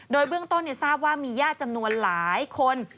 โดยเบื้องต้นทราบว่ามีญาติจำนวนหลายคน